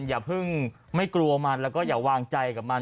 อย่าเพิ่งไม่กลัวมันแล้วก็อย่าวางใจกับมัน